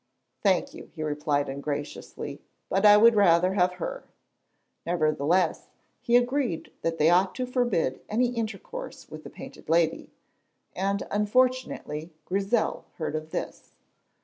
"Thank you," he replied ungraciously, "but I would rather have her." Nevertheless he agreed that he ought to forbid any intercourse with the Painted Lady, and unfortunately Grizel heard of this.